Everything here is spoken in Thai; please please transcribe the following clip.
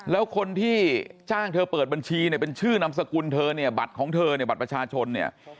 แล้วคนที่จ้างเธอเปิดบัญชีเนี่ยเป็นชื่อนามสกุลเธอเนี่ยบัตรของเธอเนี่ยบัตรประชาชนเนี่ย